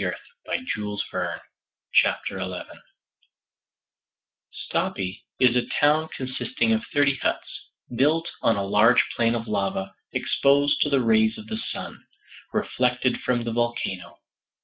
CHAPTER 11 WE REACH MOUNT SNEFFELS THE "REYKIR" Stapi is a town consisting of thirty huts, built on a large plain of lava, exposed to the rays of the sun, reflected from the volcano.